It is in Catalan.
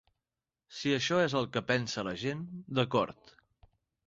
Si això és el que pensa la gent, d'acord.